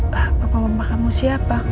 bapak mama kamu siapa